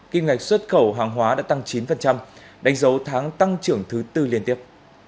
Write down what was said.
kim ngạch xuất khẩu hàng hóa đã tăng chín đánh dấu tháng tăng trưởng thứ tư liên tiếp